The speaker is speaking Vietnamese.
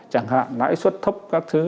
chẳng hạn lãi suất thấp các thứ